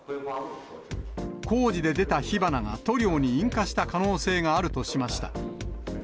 工事で出た火花が塗料に引火した可能性があるとしました。